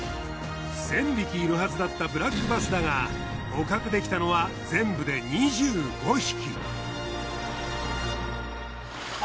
１，０００匹いるはずだったブラックバスだが捕獲できたのは全部で２５匹。